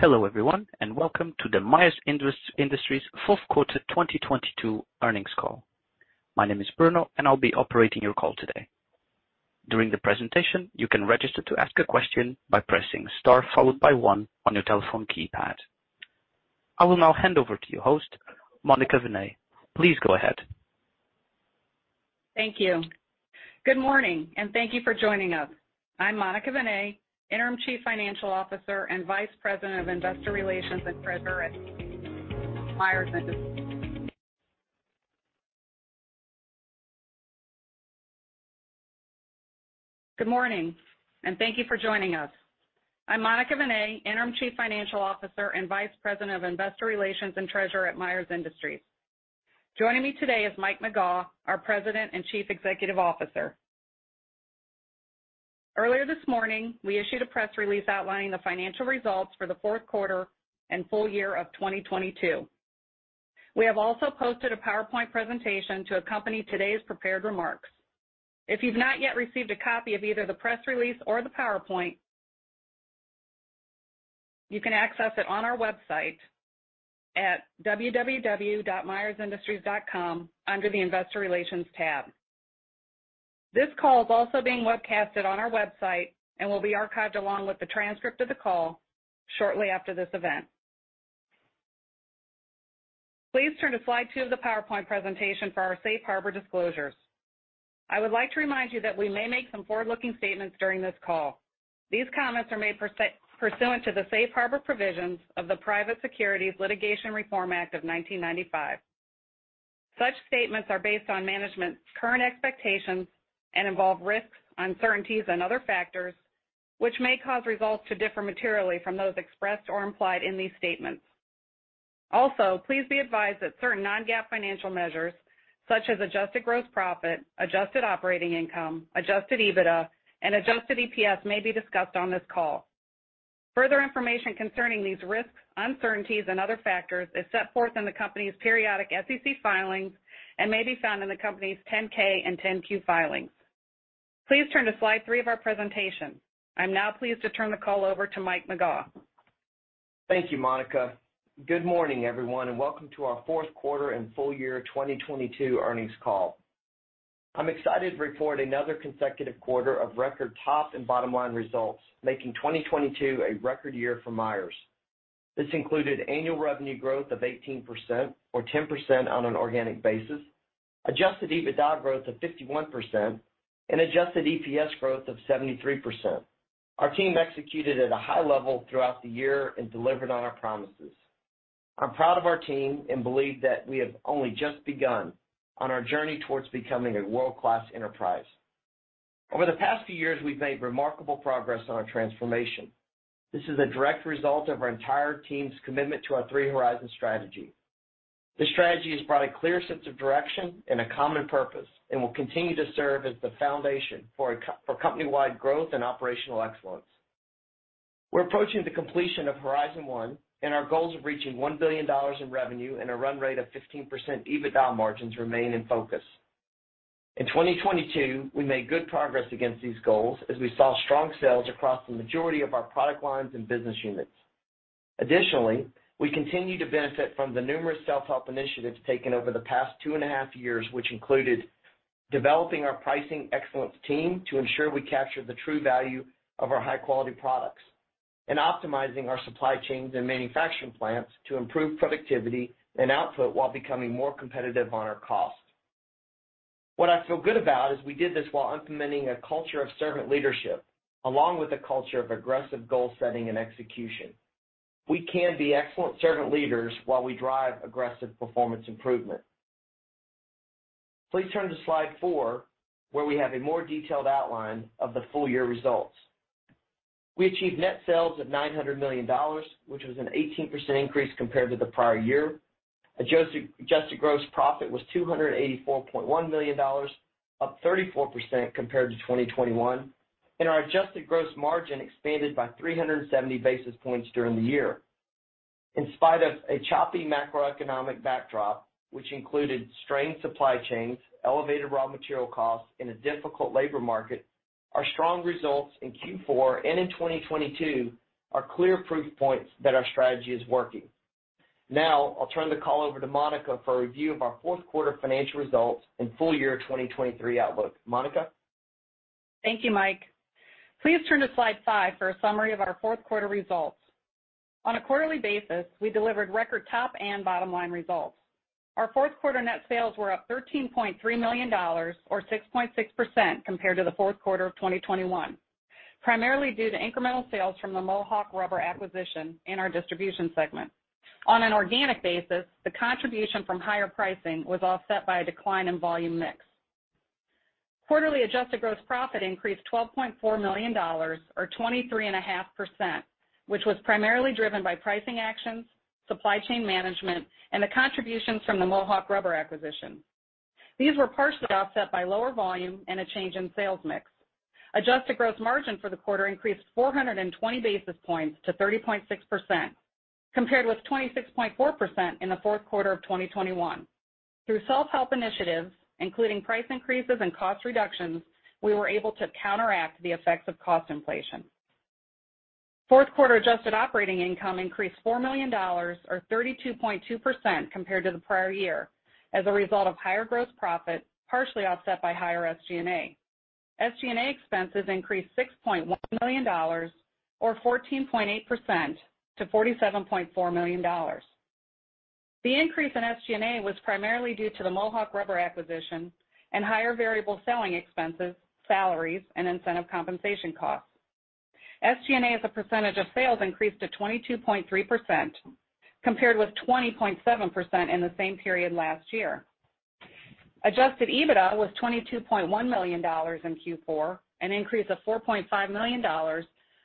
Hello, everyone, and welcome to the Myers Industries Q4 2022 Earnings Call. My name is Bruno, and I'll be operating your call today. During the presentation, you can register to ask a question by pressing Star followed by one on your telephone keypad. I will now hand over to your host, Monica Vinay. Please go ahead. Thank you. Good morning, and thank you for joining us. I'm Monica Vinay, Interim Chief Financial Officer and Vice President of Investor Relations and Treasurer at Myers Industries. Joining me today is Mike McGaugh, our President and Chief Executive Officer. Earlier this morning, we issued a press release outlining the financial results for the Q4 and full year of 2022. We have also posted a PowerPoint presentation to accompany today's prepared remarks. If you've not yet received a copy of either the press release or the PowerPoint, you can access it on our website at www.myersindustries.com under the Investor Relations tab. This call is also being webcasted on our website and will be archived along with the transcript of the call shortly after this event. Please turn to slide two of the PowerPoint presentation for our safe harbor disclosures. I would like to remind you that we may make some forward-looking statements during this call. These comments are made pursuant to the safe harbor provisions of the Private Securities Litigation Reform Act of 1995. Such statements are based on management's current expectations and involve risks, uncertainties, and other factors which may cause results to differ materially from those expressed or implied in these statements. Please be advised that certain non-GAAP financial measures such as adjusted gross profit, adjusted operating income, adjusted EBITDA, and adjusted EPS may be discussed on this call. Further information concerning these risks, uncertainties and other factors is set forth in the company's periodic SEC filings and may be found in the company's 10-K and 10-Q filings. Please turn to slide three of our presentation. I'm now pleased to turn the call over to Mike McGaugh. Thank you, Monica. Good morning, everyone, and welcome to our Q4 and Full Year 2022 Earnings Call. I'm excited to report another consecutive quarter of record top and bottom line results, making 2022 a record year for Myers. This included annual revenue growth of 18% or 10% on an organic basis, adjusted EBITDA growth of 51%, and adjusted EPS growth of 73%. Our team executed at a high level throughout the year and delivered on our promises. I'm proud of our team and believe that we have only just begun on our journey towards becoming a world-class enterprise. Over the past few years, we've made remarkable progress on our transformation. This is a direct result of our entire team's commitment to our Three Horizon Strategy. This strategy has brought a clear sense of direction and a common purpose, will continue to serve as the foundation for company-wide growth and operational excellence. We're approaching the completion of Horizon One, our goals of reaching $1 billion in revenue and a run rate of 15% EBITDA margins remain in focus. In 2022, we made good progress against these goals as we saw strong sales across the majority of our product lines and business units. Additionally, we continue to benefit from the numerous self-help initiatives taken over the past two and a half years, which included developing our pricing excellence team to ensure we capture the true value of our high-quality products. Optimizing our supply chains and manufacturing plants to improve productivity and output while becoming more competitive on our costs. What I feel good about is we did this while implementing a culture of servant leadership, along with a culture of aggressive goal setting and execution. We can be excellent servant leaders while we drive aggressive performance improvement. Please turn to slide four, where we have a more detailed outline of the full year results. We achieved net sales of $900 million, which was an 18% increase compared to the prior year. adjusted gross profit was $284.1 million, up 34% compared to 2021, and our adjusted gross margin expanded by 370 basis points during the year. In spite of a choppy macroeconomic backdrop, which included strained supply chains, elevated raw material costs, and a difficult labor market, our strong results in Q4 and in 2022 are clear proof points that our strategy is working. Now, I'll turn the call over to Monica for a review of our Q4 financial results and full year 2023 outlook. Monica. Thank you, Mike. Please turn to slide five for a summary of our Q4 results. On a quarterly basis, we delivered record top and bottom line results. Our Q4 net sales were up $13.3 million or 6.6% compared to the Q4 of 2021, primarily due to incremental sales from the Mohawk Rubber acquisition in our Distribution segment. On an organic basis, the contribution from higher pricing was offset by a decline in volume mix. Quarterly adjusted gross profit increased $12.4 million or 23.5%, which was primarily driven by pricing actions, supply chain management, and the contributions from the Mohawk Rubber acquisition. These were partially offset by lower volume and a change in sales mix. Adjusted gross margin for the quarter increased 420 basis points to 30.6%, compared with 26.4% in the Q4 of 2021. Through self-help initiatives, including price increases and cost reductions, we were able to counteract the effects of cost inflation. Q4 adjusted operating income increased $4 million or 32.2% compared to the prior year as a result of higher gross profit, partially offset by higher SG&A. SG&A expenses increased $6.1 million or 14.8% to $47.4 million. The increase in SG&A was primarily due to the Mohawk Rubber acquisition and higher variable selling expenses, salaries, and incentive compensation costs. SG&A as a percentage of sales increased to 22.3% compared with 20.7% in the same period last year. Adjusted EBITDA was $22.1 million in Q4, an increase of $4.5 million or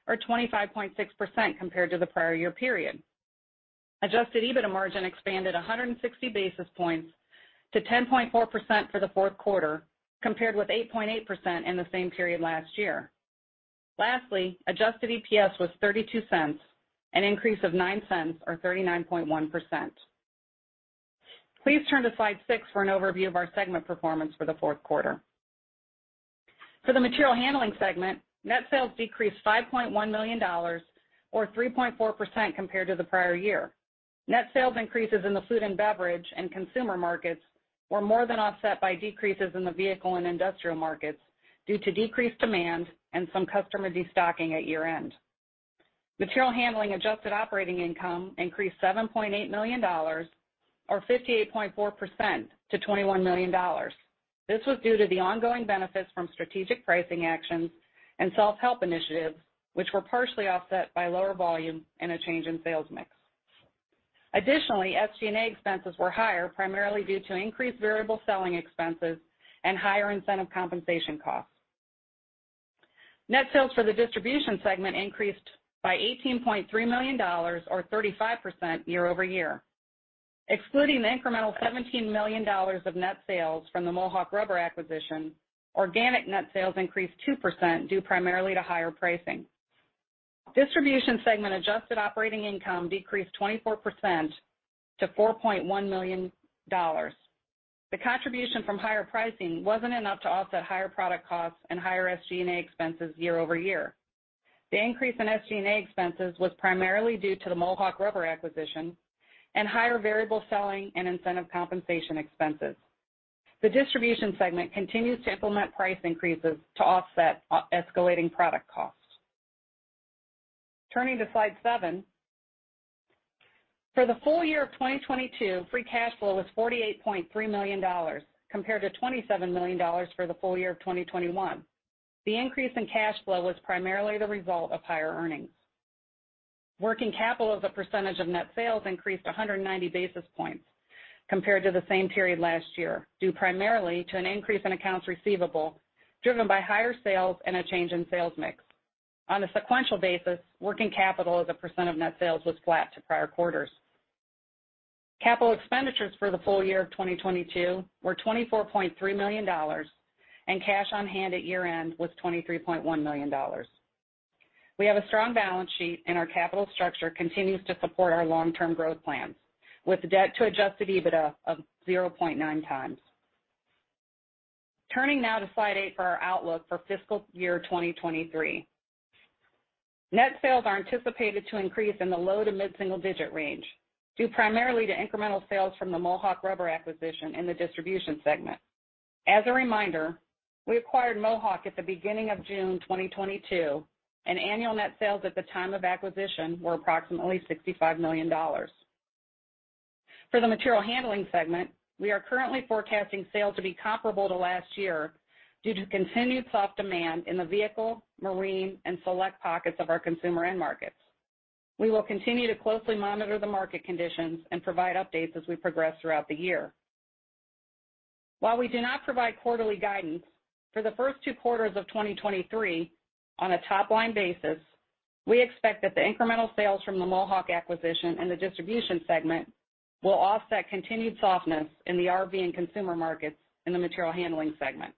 25.6% compared to the prior year period. Adjusted EBITDA margin expanded 160 basis points to 10.4% for the Q4, compared with 8.8% in the same period last year. Lastly, adjusted EPS was $0.32, an increase of $0.09 or 39.1%. Please turn to slide six for an overview of our segment performance for the Q4. For the Material Handling segment, net sales decreased $5.1 million or 3.4% compared to the prior year. Net sales increases in the food and beverage and consumer markets were more than offset by decreases in the vehicle and industrial markets due to decreased demand and some customer destocking at year-end. Material Handling adjusted Operating Income increased $7.8 million or 58.4% to $21 million. This was due to the ongoing benefits from strategic pricing actions and self-help initiatives, which were partially offset by lower volume and a change in sales mix. Additionally, SG&A expenses were higher, primarily due to increased variable selling expenses and higher incentive compensation costs. Net sales for the Distribution segment increased by $18.3 million or 35% year-over-year. Excluding the incremental $17 million of net sales from the Mohawk Rubber acquisition, organic net sales increased 2% due primarily to higher pricing. Distribution segment adjusted Operating Income decreased 24% to $4.1 million. The contribution from higher pricing wasn't enough to offset higher product costs and higher SG&A expenses year-over-year. The increase in SG&A expenses was primarily due to the Mohawk Rubber acquisition and higher variable selling and incentive compensation expenses. The Distribution segment continues to implement price increases to offset escalating product costs. Turning to slide seven. For the full year of 2022, free cash flow was $48.3 million compared to $27 million for the full year of 2021. The increase in cash flow was primarily the result of higher earnings. Working capital as a % of net sales increased 190 basis points compared to the same period last year, due primarily to an increase in accounts receivable driven by higher sales and a change in sales mix. On a sequential basis, working capital as a % of net sales was flat to prior quarters. Capital expenditures for the full year of 2022 were $24.3 million. Cash on hand at year-end was $23.1 million. We have a strong balance sheet. Our capital structure continues to support our long-term growth plans with debt to adjusted EBITDA of 0.9 times. Turning now to slide eight for our outlook for fiscal year 2023. Net sales are anticipated to increase in the low to mid-single digit range, due primarily to incremental sales from the Mohawk Rubber acquisition in the Distribution segment. As a reminder, we acquired Mohawk at the beginning of June 2022. Annual net sales at the time of acquisition were approximately $65 million. For the Material Handling segment, we are currently forecasting sales to be comparable to last year due to continued soft demand in the vehicle, marine, and select pockets of our consumer end markets. We will continue to closely monitor the market conditions and provide updates as we progress throughout the year. While we do not provide quarterly guidance, for the first two quarters of 2023, on a top-line basis, we expect that the incremental sales from the Mohawk acquisition in the Distribution segment will offset continued softness in the RV and consumer markets in the Material Handling segment.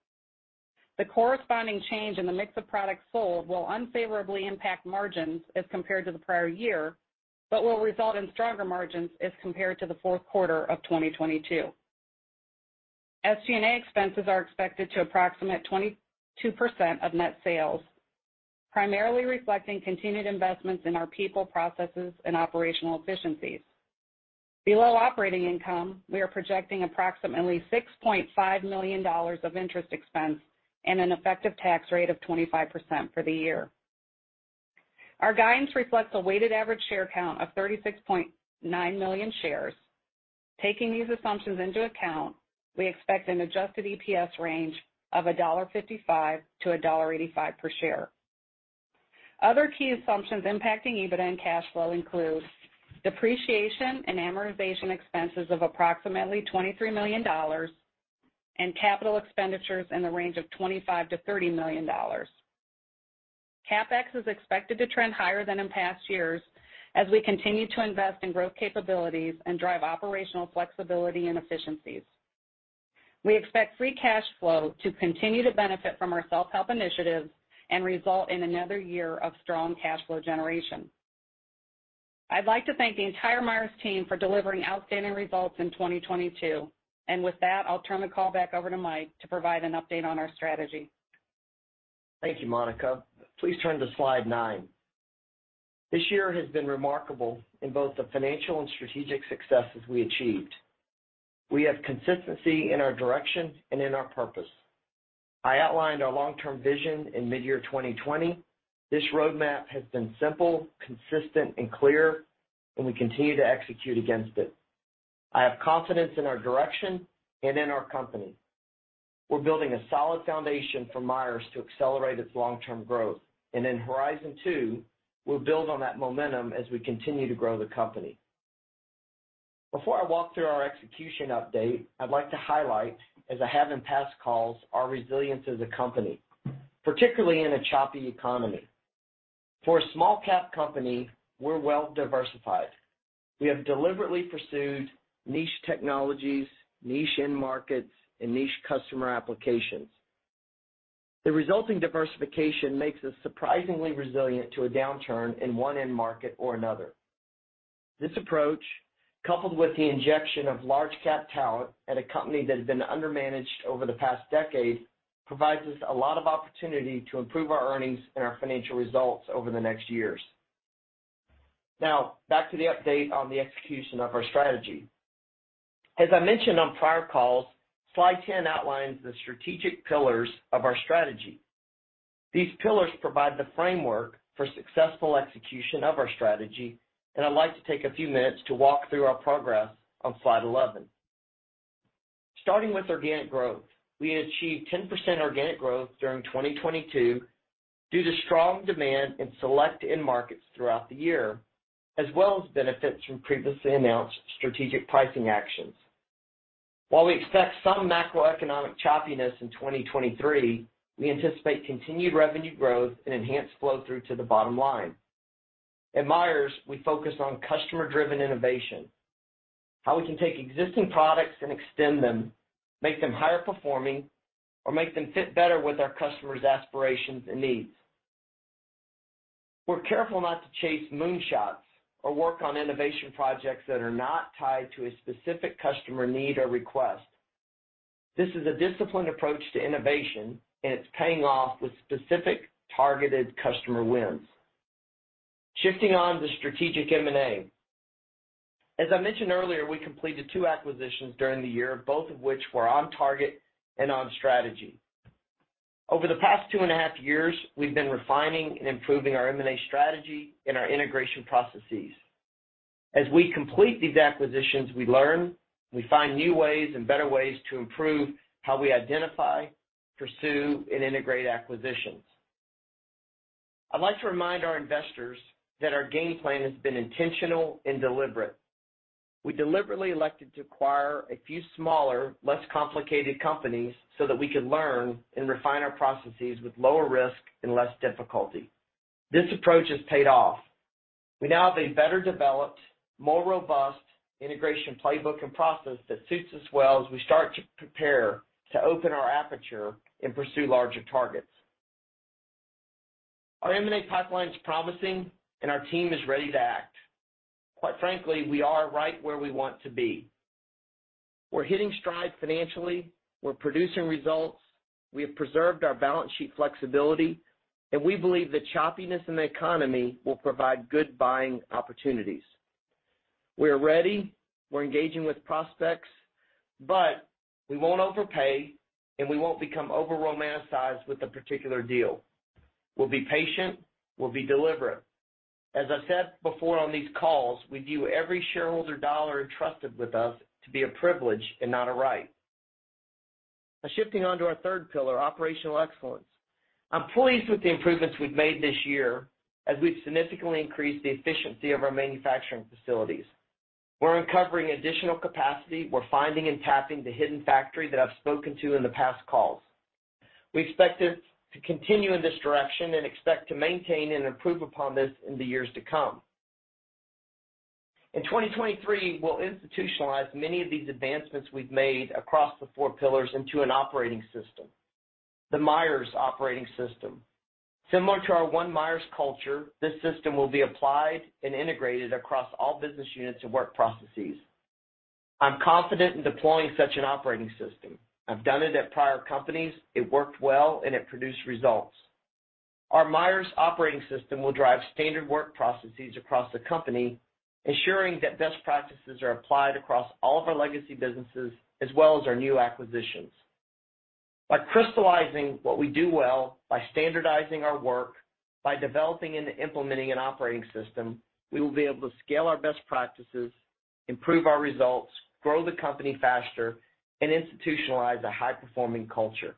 The corresponding change in the mix of products sold will unfavorably impact margins as compared to the prior year, but will result in stronger margins as compared to the Q4 of 2022. SG&A expenses are expected to approximate 22% of net sales, primarily reflecting continued investments in our people, processes, and operational efficiencies. Below operating income, we are projecting approximately $6.5 million of interest expense and an effective tax rate of 25% for the year. Our guidance reflects a weighted average share count of 36.9 million shares. Taking these assumptions into account, we expect an adjusted EPS range of $1.55-$1.85 per share. Other key assumptions impacting EBITDA and cash flow include depreciation and amortization expenses of approximately $23 million and capital expenditures in the range of $25 million-$30 million. CapEx is expected to trend higher than in past years as we continue to invest in growth capabilities and drive operational flexibility and efficiencies. We expect free cash flow to continue to benefit from our self-help initiatives and result in another year of strong cash flow generation. I'd like to thank the entire Myers team for delivering outstanding results in 2022. With that, I'll turn the call back over to Mike to provide an update on our strategy. Thank you, Monica. Please turn to slide nine. This year has been remarkable in both the financial and strategic successes we achieved. We have consistency in our direction and in our purpose. I outlined our long-term vision in mid-year 2020. This roadmap has been simple, consistent, and clear, and we continue to execute against it. I have confidence in our direction and in our company. We're building a solid foundation for Myers to accelerate its long-term growth. In Horizon Two, we'll build on that momentum as we continue to grow the company. Before I walk through our execution update, I'd like to highlight, as I have in past calls, our resilience as a company, particularly in a choppy economy. For a small cap company, we're well-diversified. We have deliberately pursued niche technologies, niche end markets, and niche customer applications. The resulting diversification makes us surprisingly resilient to a downturn in one end market or another. This approach, coupled with the injection of large cap talent at a company that had been undermanaged over the past decade, provides us a lot of opportunity to improve our earnings and our financial results over the next years. Back to the update on the execution of our strategy. As I mentioned on prior calls, slide 10 outlines the strategic pillars of our strategy. These pillars provide the framework for successful execution of our strategy, and I'd like to take a few minutes to walk through our progress on slide 11. Starting with organic growth. We achieved 10% organic growth during 2022 due to strong demand in select end markets throughout the year, as well as benefits from previously announced strategic pricing actions. While we expect some macroeconomic choppiness in 2023, we anticipate continued revenue growth and enhanced flow-through to the bottom line. At Myers, we focus on customer-driven innovation, how we can take existing products and extend them, make them higher performing, or make them fit better with our customers' aspirations and needs. We're careful not to chase moonshots or work on innovation projects that are not tied to a specific customer need or request. This is a disciplined approach to innovation, and it's paying off with specific targeted customer wins. Shifting on to strategic M&A. As I mentioned earlier, we completed two acquisitions during the year, both of which were on target and on strategy. Over the past two and a half years, we've been refining and improving our M&A strategy and our integration processes. As we complete these acquisitions, we learn, we find new ways and better ways to improve how we identify, pursue, and integrate acquisitions. I'd like to remind our investors that our game plan has been intentional and deliberate. We deliberately elected to acquire a few smaller, less complicated companies so that we could learn and refine our processes with lower risk and less difficulty. This approach has paid off. We now have a better developed, more robust integration playbook and process that suits us well as we start to prepare to open our aperture and pursue larger targets. Our M&A pipeline is promising and our team is ready to act. Quite frankly, we are right where we want to be. We're hitting stride financially, we're producing results, we have preserved our balance sheet flexibility, and we believe the choppiness in the economy will provide good buying opportunities. We are ready. We're engaging with prospects, but we won't overpay, and we won't become over-romanticized with a particular deal. We'll be patient, we'll be deliberate. As I said before on these calls, we view every shareholder dollar entrusted with us to be a privilege and not a right. Now shifting on to our third pillar, operational excellence. I'm pleased with the improvements we've made this year as we've significantly increased the efficiency of our manufacturing facilities. We're uncovering additional capacity. We're finding and tapping the hidden factory that I've spoken to in the past calls. We expect it to continue in this direction and expect to maintain and improve upon this in the years to come. In 2023, we'll institutionalize many of these advancements we've made across the four pillars into an operating system, the Myers Operating System. Similar to our One Myers culture, this system will be applied and integrated across all business units and work processes. I'm confident in deploying such an operating system. I've done it at prior companies. It worked well, and it produced results. Our Myers Operating System will drive standard work processes across the company, ensuring that best practices are applied across all of our legacy businesses as well as our new acquisitions. By crystallizing what we do well, by standardizing our work, by developing and implementing an operating system, we will be able to scale our best practices, improve our results, grow the company faster, and institutionalize a high-performing culture.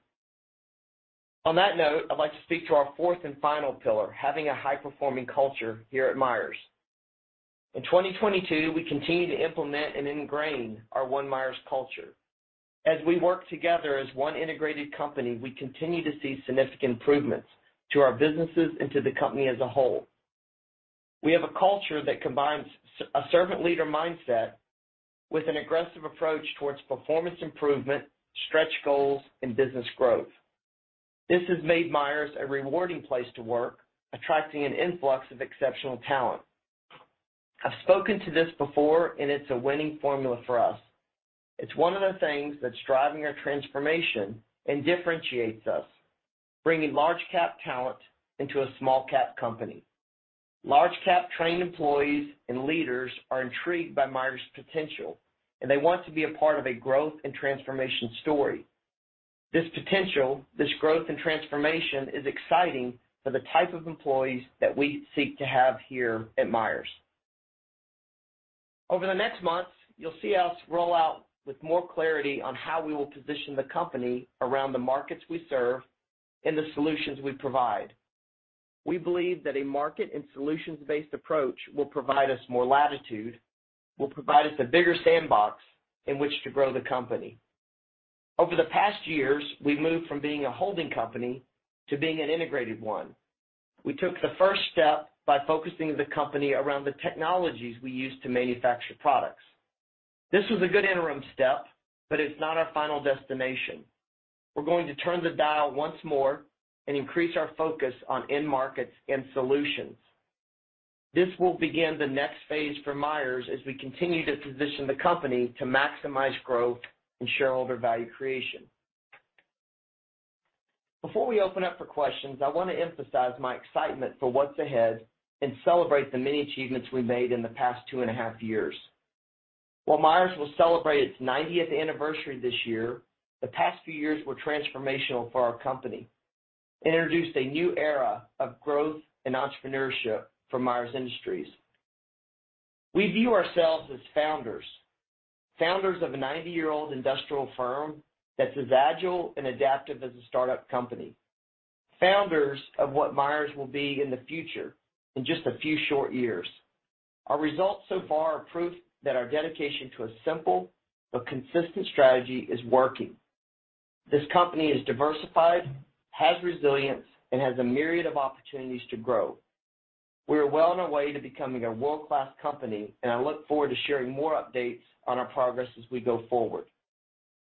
On that note, I'd like to speak to our fourth and final pillar, having a high-performing culture here at Myers. In 2022, we continued to implement and ingrain our One Myers culture. As we work together as one integrated company, we continue to see significant improvements to our businesses and to the company as a whole. We have a culture that combines a servant leader mindset with an aggressive approach towards performance improvement, stretch goals, and business growth. This has made Myers a rewarding place to work, attracting an influx of exceptional talent. I've spoken to this before, and it's a winning formula for us. It's one of the things that's driving our transformation and differentiates us, bringing large cap talent into a small cap company. Large cap trained employees and leaders are intrigued by Myers' potential, and they want to be a part of a growth and transformation story. This potential, this growth and transformation is exciting for the type of employees that we seek to have here at Myers. Over the next months, you'll see us roll out with more clarity on how we will position the company around the markets we serve and the solutions we provide. We believe that a market and solutions-based approach will provide us more latitude, will provide us a bigger sandbox in which to grow the company. Over the past years, we've moved from being a holding company to being an integrated one. We took the first step by focusing the company around the technologies we use to manufacture products. This was a good interim step, but it's not our final destination. We're going to turn the dial once more and increase our focus on end markets and solutions. This will begin the next phase for Myers as we continue to position the company to maximize growth and shareholder value creation. Before we open up for questions, I want to emphasize my excitement for what's ahead and celebrate the many achievements we made in the past 2.5 years. While Myers will celebrate its 90th anniversary this year, the past few years were transformational for our company, introduced a new era of growth and entrepreneurship for Myers Industries. We view ourselves as founders of a 90-year-old industrial firm that's as agile and adaptive as a startup company, founders of what Myers will be in the future in just a few short years. Our results so far are proof that our dedication to a simple but consistent strategy is working. This company is diversified, has resilience, and has a myriad of opportunities to grow. We are well on our way to becoming a world-class company. I look forward to sharing more updates on our progress as we go forward.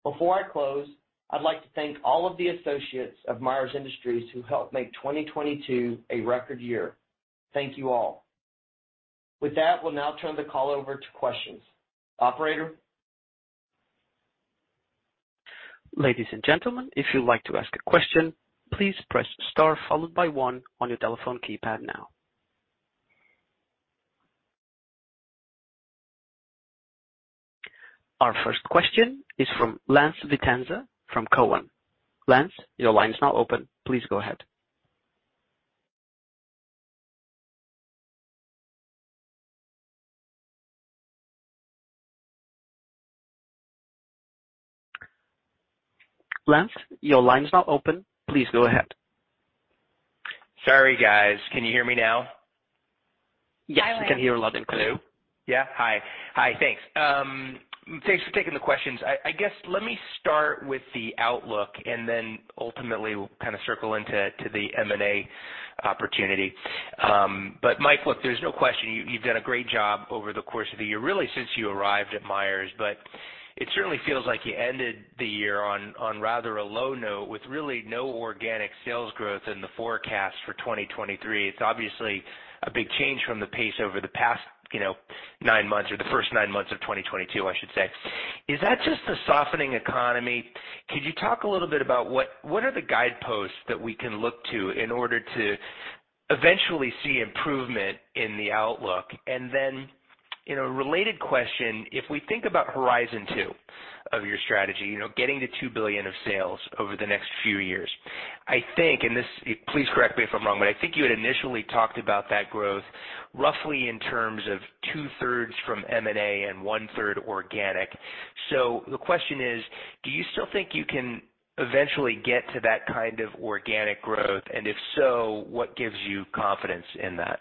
Before I close, I'd like to thank all of the associates of Myers Industries who helped make 2022 a record year. Thank you all. With that, we'll now turn the call over to questions. Operator? Ladies and gentlemen, if you'd like to ask a question, please press star followed by one on your telephone keypad now. Our first question is from Lance Vitanza from Cowen. Lance, your line is now open. Please go ahead. Sorry, guys. Can you hear me now? Yes, we can hear you loud and clear. Hello? Yeah. Hi. Hi. Thanks. Thanks for taking the questions. I guess, let me start with the outlook and then ultimately we'll kind of circle into the M&A opportunity. Mike, look, there's no question you've done a great job over the course of the year, really since you arrived at Myers. It certainly feels like you ended the year on rather a low note with really no organic sales growth in the forecast for 2023. It's obviously a big change from the pace over the past, you know, nine months or the first nine months of 2022, I should say. Is that just the softening economy? Could you talk a little bit about what are the guideposts that we can look to in order to eventually see improvement in the outlook? In a related question, if we think about Horizon Two of your strategy, you know, getting to $2 billion of sales over the next few years. I think, and this, please correct me if I'm wrong, but I think you had initially talked about that growth roughly in terms of 2/3 from M&A and 1/3 organic. The question is: Do you still think you can eventually get to that kind of organic growth? If so, what gives you confidence in that?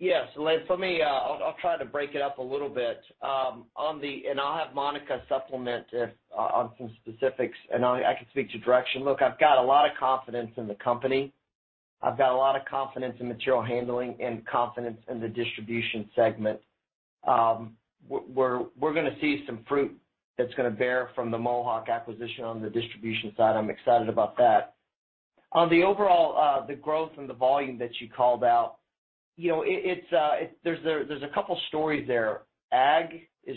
Yes, Lance. Let me, I'll try to break it up a little bit. I'll have Monica supplement if, on some specifics, and I can speak to direction. Look, I've got a lot of confidence in the company. I've got a lot of confidence in Material Handling and confidence in the Distribution segment. We're gonna see some fruit that's gonna bear from the Mohawk acquisition on the Distribution side. I'm excited about that. On the overall, the growth and the volume that you called out, you know, it's, there's a couple stories there. Ag is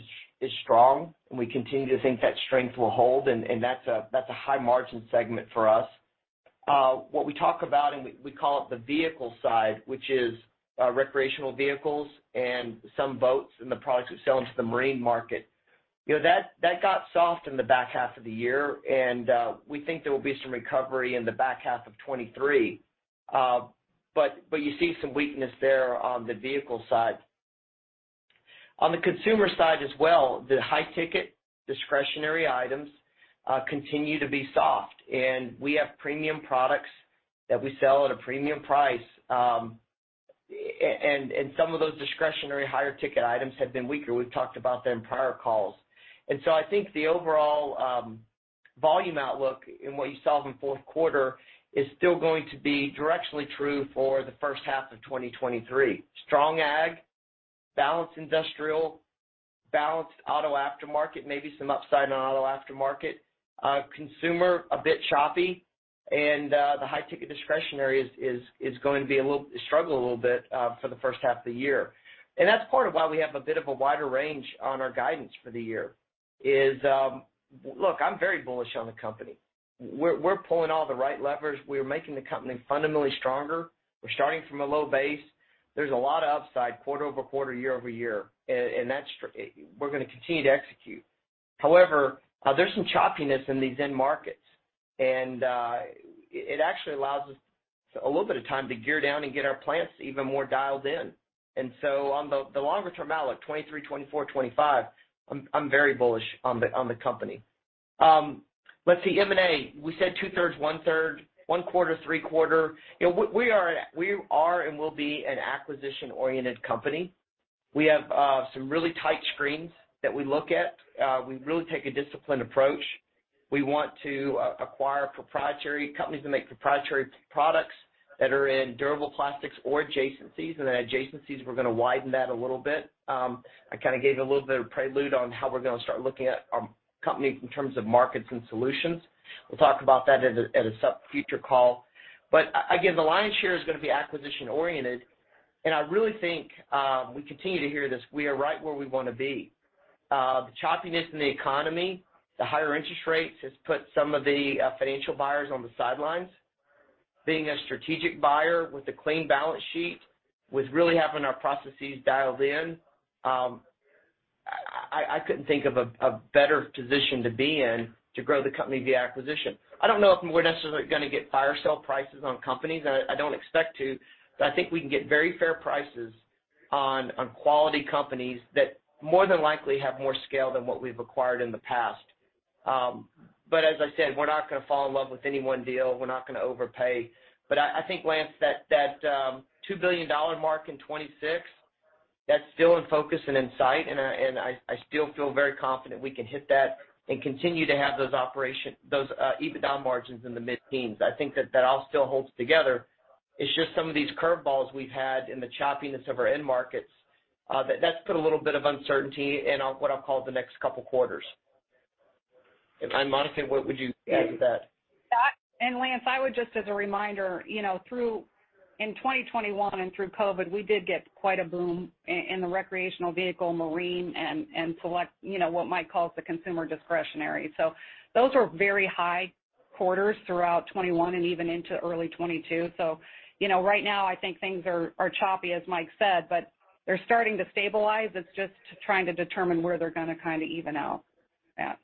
strong, and we continue to think that strength will hold, and that's a high-margin segment for us. What we talk about, and we call it the vehicle side, which is recreational vehicles and some boats and the products we sell into the marine market. You know, that got soft in the back half of the year, and we think there will be some recovery in the back half of 2023. But you see some weakness there on the vehicle side. On the consumer side as well, the high-ticket discretionary items continue to be soft, and we have premium products that we sell at a premium price, and some of those discretionary higher ticket items have been weaker. We've talked about them prior calls. I think the overall volume outlook and what you saw from Q4 is still going to be directionally true for the H1 of 2023. Strong ag, balanced industrial. Balanced auto aftermarket, maybe some upside in auto aftermarket. Consumer, a bit choppy, the high ticket discretionary is going to struggle a little bit for the H1 of the year. That's part of why we have a bit of a wider range on our guidance for the year is. Look, I'm very bullish on the company. We're pulling all the right levers. We're making the company fundamentally stronger. We're starting from a low base. There's a lot of upside quarter-over-quarter, year-over-year. That's we're gonna continue to execute. However, there's some choppiness in these end markets, it actually allows us a little bit of time to gear down and get our plants even more dialed in. On the longer term outlook, 2023, 2024, 2025, I'm very bullish on the company. Let's see, M&A. We said two-thirds, one-third, one quarter, three quarter. You know, we are and will be an acquisition-oriented company. We have some really tight screens that we look at. We really take a disciplined approach. We want to acquire proprietary companies that make proprietary products that are in durable plastics or adjacencies. The adjacencies, we're gonna widen that a little bit. I kinda gave a little bit of prelude on how we're gonna start looking at our company in terms of markets and solutions. We'll talk about that at a future call. Again, the lion's share is gonna be acquisition oriented. I really think, we continue to hear this, we are right where we wanna be. The choppiness in the economy, the higher interest rates has put some of the financial buyers on the sidelines. Being a strategic buyer with a clean balance sheet with really having our processes dialed in, I couldn't think of a better position to be in to grow the company via acquisition. I don't know if we're necessarily gonna get fire sale prices on companies, and I don't expect to, but I think we can get very fair prices on quality companies that more than likely have more scale than what we've acquired in the past. As I said, we're not gonna fall in love with any one deal. We're not gonna overpay. I think, Lance, that $2 billion mark in 2026, that's still in focus and in sight, and I still feel very confident we can hit that and continue to have those EBITDA margins in the mid-teens. I think that all still holds together. It's just some of these curveballs we've had in the choppiness of our end markets, that's put a little bit of uncertainty in what I'll call the next couple quarters. Monica, what would you add to that? Yeah. Lance, I would just as a reminder, you know, in 2021 and through COVID, we did get quite a boom in the recreational vehicle, marine and select, you know, what Mike calls the consumer discretionary. Those were very high quarters throughout 2021 and even into early 2022. You know, right now I think things are choppy, as Mike said, but they're starting to stabilize. It's just trying to determine where they're gonna kinda even out at.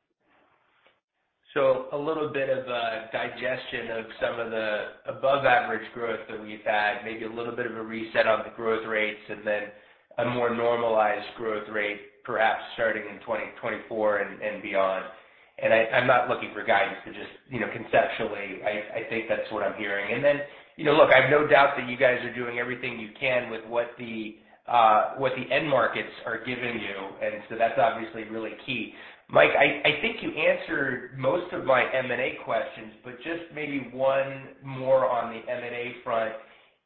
A little bit of digestion of some of the above average growth that we've had, maybe a little bit of a reset on the growth rates, and then a more normalized growth rate, perhaps starting in 2024 and beyond. I'm not looking for guidance, but just, you know, conceptually, I think that's what I'm hearing. Look, I have no doubt that you guys are doing everything you can with what the end markets are giving you, and so that's obviously really key. Mike, I think you answered most of my M&A questions, but just maybe one more on the M&A front.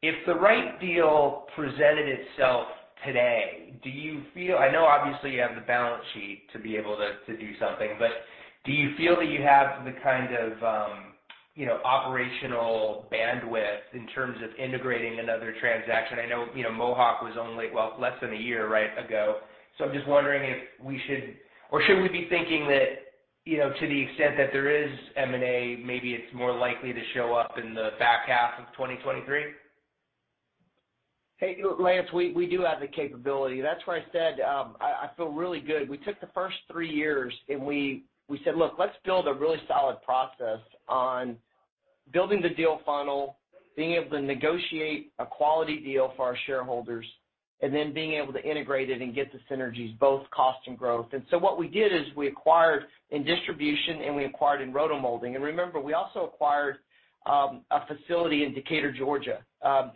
If the right deal presented itself today, do you feel... I know obviously you have the balance sheet to be able to do something, but do you feel that you have the kind of, you know, operational bandwidth in terms of integrating another transaction? I know, you know, Mohawk was only, well, less than a year, right, ago. I'm just wondering if we should or should we be thinking that, you know, to the extent that there is M&A, maybe it's more likely to show up in the back half of 2023? Hey, Lance, we do have the capability. That's why I said, I feel really good. We took the first three years and we said, "Look, let's build a really solid process on building the deal funnel, being able to negotiate a quality deal for our shareholders, and then being able to integrate it and get the synergies, both cost and growth." What we did is we acquired in Distribution and we acquired in rotomolding. Remember, we also acquired a facility in Decatur, Georgia,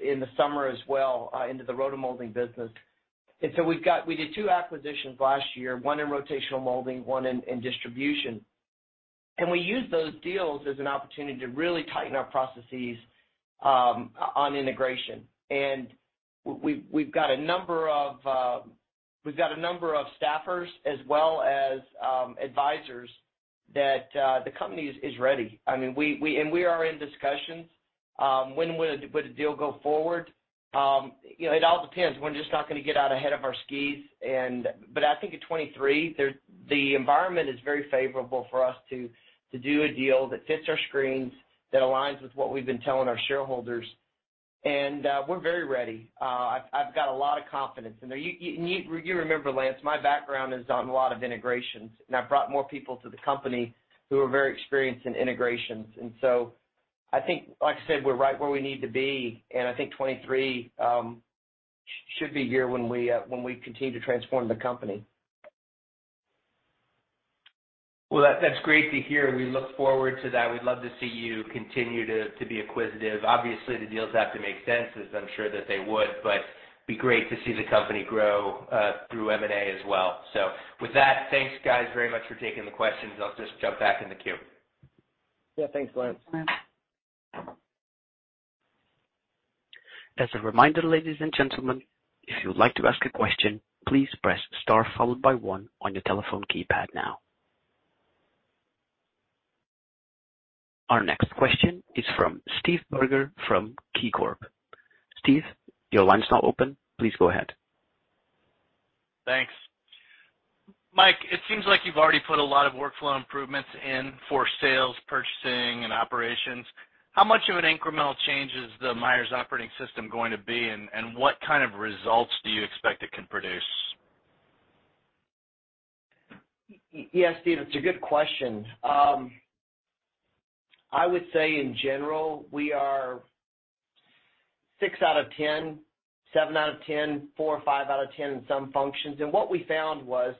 in the summer as well, into the rotomolding business. We did two acquisitions last year, one in rotational molding, one in Distribution. We used those deals as an opportunity to really tighten our processes on integration. we've got a number of, we've got a number of staffers as well as advisors that the company is ready. I mean, we are in discussions. When would a deal go forward? You know, it all depends. We're just not gonna get out ahead of our skis and. I think in 2023, the environment is very favorable for us to do a deal that fits our screens, that aligns with what we've been telling our shareholders. We're very ready. I've got a lot of confidence. You remember, Lance, my background is on a lot of integrations, and I've brought more people to the company who are very experienced in integrations. I think, like I said, we're right where we need to be, and I think 2023 should be year when we continue to transform the company. Well, that's great to hear. We look forward to that. We'd love to see you continue to be acquisitive. Obviously, the deals have to make sense, as I'm sure that they would, but be great to see the company grow through M&A as well. With that, thanks, guys, very much for taking the questions. I'll just jump back in the queue. Yeah. Thanks, Lance. Thanks. As a reminder, ladies and gentlemen, if you would like to ask a question, please press star followed by one on your telephone keypad now. Our next question is from Steve Barger from KeyCorp. Steve, your line is now open. Please go ahead. Thanks. Mike, it seems like you've already put a lot of workflow improvements in for sales, purchasing, and operations. How much of an incremental change is the Myers Operating System going to be? What kind of results do you expect it can produce? Yes, Steve, it's a good question. I would say in general, we are six out of 10, seven out of 10, four or five out of 10 in some functions. What we found was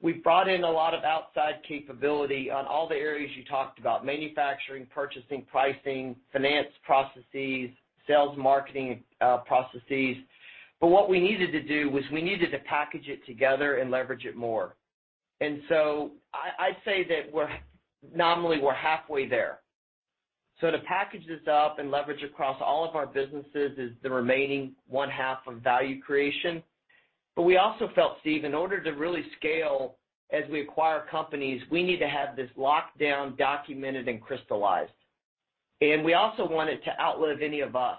we brought in a lot of outside capability on all the areas you talked about, manufacturing, purchasing, pricing, finance processes, sales, marketing, processes. What we needed to do was we needed to package it together and leverage it more. I'd say that we're nominally, we're halfway there. To package this up and leverage across all of our businesses is the remaining one half of value creation. We also felt, Steve, in order to really scale as we acquire companies, we need to have this locked down, documented, and crystallized. We also want it to outlive any of us.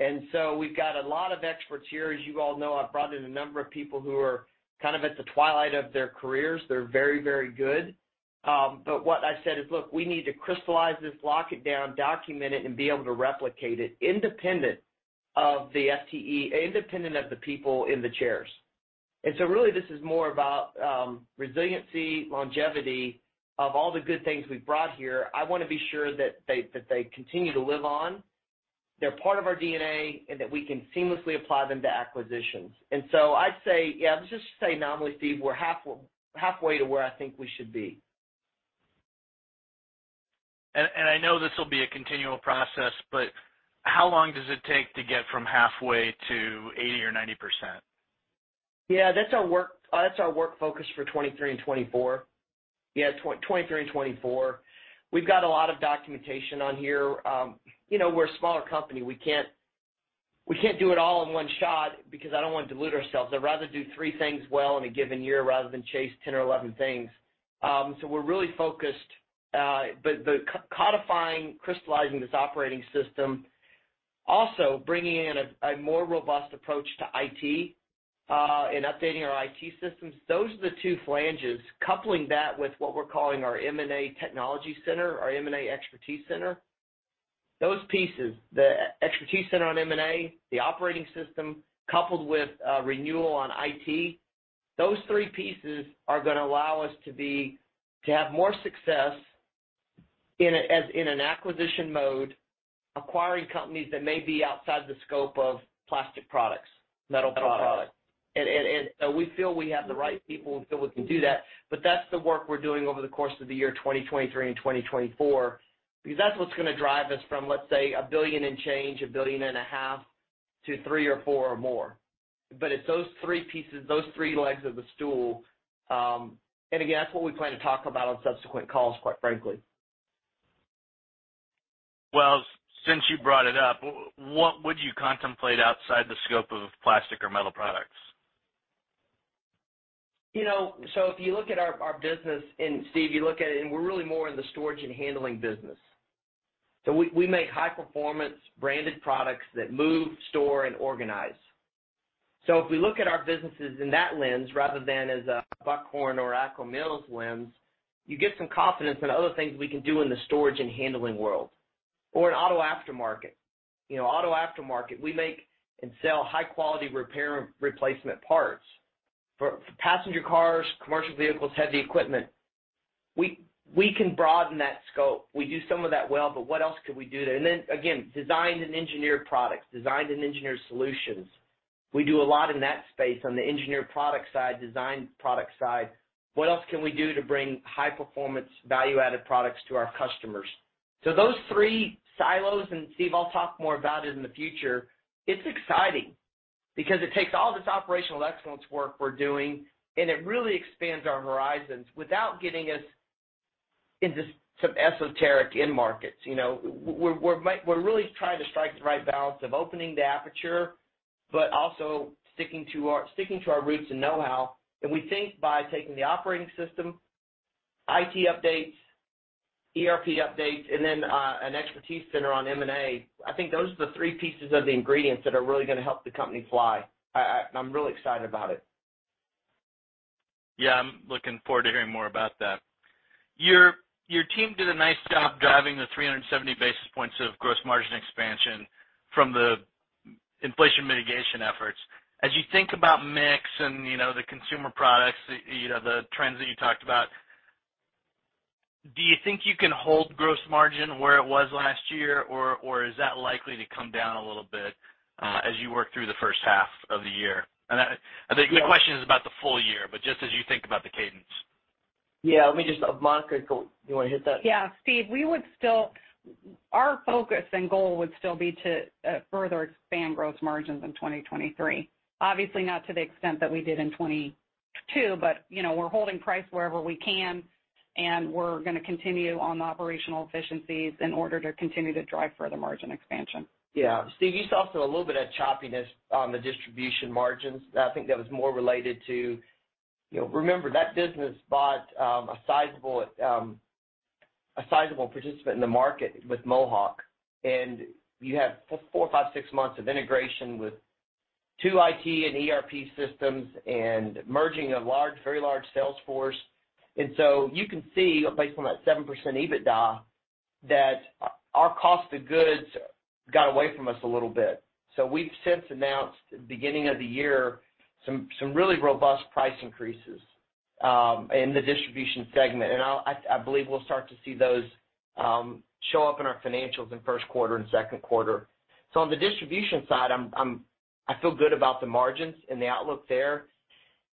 We've got a lot of experts here. As you all know, I've brought in a number of people who are kind of at the twilight of their careers. They're very, very good. But what I said is, "Look, we need to crystallize this, lock it down, document it, and be able to replicate it independent of the FTE, independent of the people in the chairs." Really this is more about resiliency, longevity of all the good things we've brought here. I wanna be sure that they continue to live on, they're part of our DNA, and that we can seamlessly apply them to acquisitions. I'd say, yeah, let's just say nominally, Steve, we're half-halfway to where I think we should be. I know this will be a continual process, but how long does it take to get from halfway to 80% or 90%? Yeah, that's our work, that's our work focus for '23 and '24. Yeah, 23 and 24. We've got a lot of documentation on here. You know, we're a smaller company. We can't do it all in one shot because I don't wanna dilute ourselves. I'd rather do three things well in a given year rather than chase 10 or 11 things. We're really focused, but codifying, crystallizing this operating system, also bringing in a more robust approach to IT, and updating our IT systems, those are the two flanges. Coupling that with what we're calling our M&A technology center, our M&A expertise center, those pieces, the expertise center on M&A, the operating system, coupled with renewal on IT, those three pieces are gonna allow us to be... to have more success in a, as in an acquisition mode, acquiring companies that may be outside the scope of plastic products, metal products. So we feel we have the right people, and so we can do that. That's the work we're doing over the course of the year 2023 and 2024, because that's what's gonna drive us from, let's say, $1 billion and change, $1.5 billion to $3 billion or $4 billion or more. It's those three pieces, those three legs of the stool. Again, that's what we plan to talk about on subsequent calls, quite frankly. Well, since you brought it up, what would you contemplate outside the scope of plastic or metal products? You know, if you look at our business, and Steve, you look at it, and we're really more in the storage and handling business. We make high performance branded products that move, store, and organize. If we look at our businesses in that lens rather than as a Buckhorn or Akro-Mils lens, you get some confidence in other things we can do in the storage and handling world or in auto aftermarket. You know, auto aftermarket, we make and sell high quality repair replacement parts for passenger cars, commercial vehicles, heavy equipment. We can broaden that scope. We do some of that well, but what else could we do there? Then again, designed and engineered products, designed and engineered solutions. We do a lot in that space on the engineered product side, designed product side. What else can we do to bring high performance, value added products to our customers? Those three silos, and Steve, I'll talk more about it in the future, it's exciting because it takes all this operational excellence work we're doing, and it really expands our horizons without getting us into some esoteric end markets. You know, we're really trying to strike the right balance of opening the aperture, but also sticking to our roots and know-how. We think by taking the Operating System, IT updates, ERP updates, and then an expertise center on M&A, I think those are the three pieces of the ingredients that are really gonna help the company fly. I'm really excited about it. Yeah. I'm looking forward to hearing more about that. Your team did a nice job driving the 370 basis points of gross margin expansion from the inflation mitigation efforts. As you think about mix and, you know, the consumer products, you know, the trends that you talked about, do you think you can hold gross margin where it was last year, or is that likely to come down a little bit as you work through the H1 of the year? I think the question is about the full year, but just as you think about the cadence. Yeah. Let me just Monica, you wanna hit that? Yeah, Steve, Our focus and goal would still be to further expand gross margins in 2023. Obviously, not to the extent that we did in 2022. But, you know, we're holding price wherever we can, and we're gonna continue on the operational efficiencies in order to continue to drive further margin expansion. Yeah. Steve, you saw a little bit of choppiness on the Distribution margins. I think that was more related to, you know, remember that business bought a sizable participant in the market with Mohawk, and you have four, five, six months of integration with two IT and ERP systems and merging a large, very large sales force. You can see based on that 7% EBITDA that our cost of goods got away from us a little bit. We've since announced at the beginning of the year, some really robust price increases in the Distribution segment. I believe we'll start to see those show up in our financials in Q1 and Q2. On the Distribution side, I feel good about the margins and the outlook there.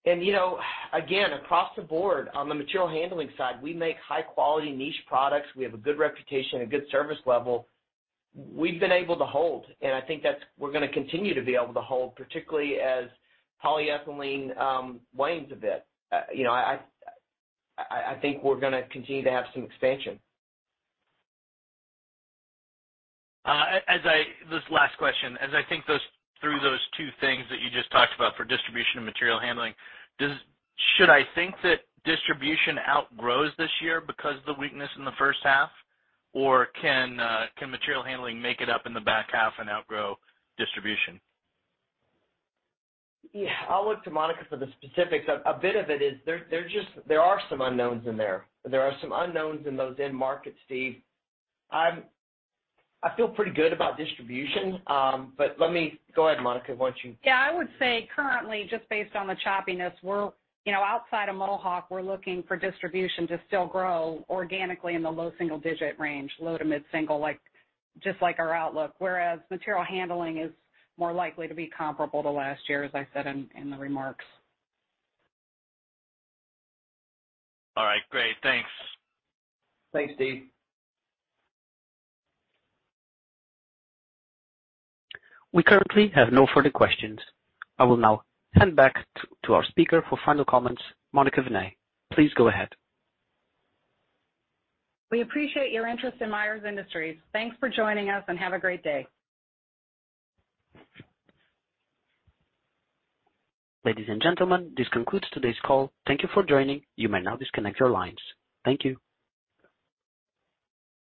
you know, again, across the board, on the Material Handling side, we make high quality niche products. We have a good reputation, a good service level. we've been able to hold, and I think we're gonna continue to be able to hold, particularly as polyethylene wanes a bit. you know, I think we're gonna continue to have some expansion. This last question, as I think through those two things that you just talked about for Distribution and Material Handling, should I think that Distribution outgrows this year because of the weakness in the H1? Or can Material Handling make it up in the back half and outgrow Distribution? Yeah. I'll look to Monica for the specifics. A bit of it is there are some unknowns in there. There are some unknowns in those end markets, Steve. I feel pretty good about Distribution, but let me... Go ahead, Monica, why don't you? Yeah, I would say currently, just based on the choppiness, we're, you know, outside of Mohawk, we're looking for Distribution to still grow organically in the low single digit range, low to mid-single, like, just like our outlook, whereas Material Handling is more likely to be comparable to last year, as I said in the remarks. All right. Great. Thanks. Thanks, Steve. We currently have no further questions. I will now hand back to our speaker for final comments. Monica Vinay, please go ahead. We appreciate your interest in Myers Industries. Thanks for joining us, and have a great day. Ladies and gentlemen, this concludes today's call. Thank you for joining. You may now disconnect your lines. Thank you.